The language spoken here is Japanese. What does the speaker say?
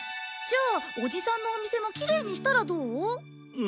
じゃあおじさんのお店もきれいにしたらどう？